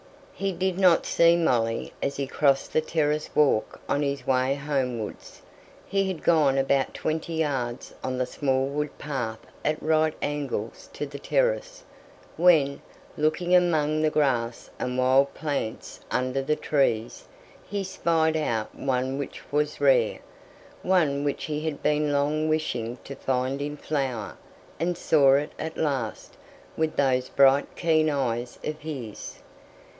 He did not see Molly as he crossed the terrace walk on his way homewards. He had gone about twenty yards along the small wood path at right angles to the terrace, when, looking among the grass and wild plants under the trees, he spied out one which was rare, one which he had been long wishing to find in flower, and saw it at last, with those bright keen eyes of his.